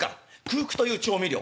空腹という調味料。